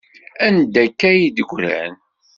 Anda akka ay d-ggran?